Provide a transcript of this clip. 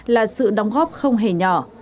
là sự đóng góp không hề nhỏ